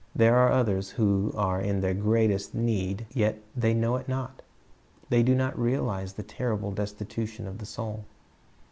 There are others who are in the greatest need yet they know it not. They do not realize the terrible destitution of the soul.